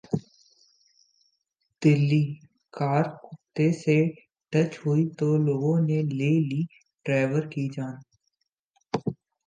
Delhi: car कुत्ते से touch हुई तो लोगों ने ले ली ड्राइवर की जान